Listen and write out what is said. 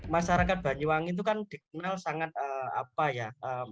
masyarakat banyuwangi itu kan dikenal sangat apa ya